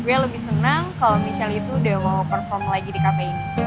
gue lebih senang kalau misalnya itu udah mau perform lagi di kafe ini